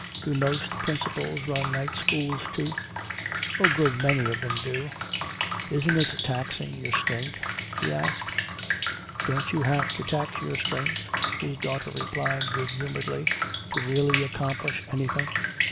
Do most principals run night schools too?" "A good many of them do." "Isn't it taxing your strength?" he asked. "Don't you have to tax your strength," his daughter replied good humoredly, "to really accomplish anything?